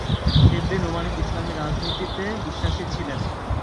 শিবলী নোমানী ইসলামি রাজনীতিতে বিশ্বাসী ছিলেন।